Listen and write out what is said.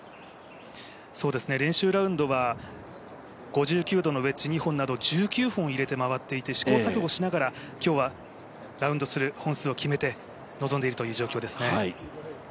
練習ラウンドは５９度のウェッジ２本など、１９本入れて回っていて試行錯誤しながら今日はラウンドする本数を決めて臨んでいるという状況ですね。